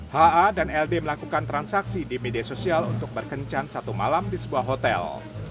ha dan ld melakukan transaksi di media sosial untuk berkencan satu malam di sebuah hotel